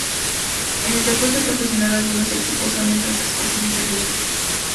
En el deporte profesional, algunos equipos son empresas con fines de lucro.